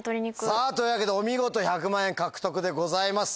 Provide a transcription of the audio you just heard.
さぁというわけでお見事１００万円獲得でございます。